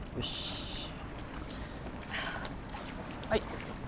はい